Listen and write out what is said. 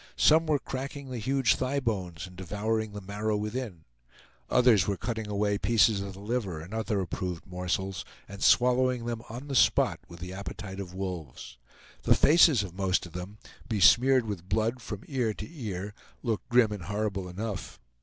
Some were cracking the huge thigh bones and devouring the marrow within; others were cutting away pieces of the liver and other approved morsels, and swallowing them on the spot with the appetite of wolves. The faces of most of them, besmeared with blood from ear to ear, looked grim and horrible enough.